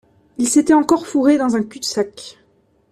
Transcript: Il s’était encore fourré dans un cul de sac.